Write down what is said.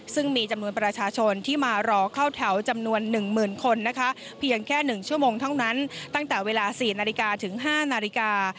ซึ่งมีจำนวนประชาชนที่มารอเข้าแถวจำนวน๑๐๐๐คนนะคะเพียงแค่๑ชั่วโมงเท่านั้นตั้งแต่เวลา๔นาฬิกาถึง๕นาฬิกา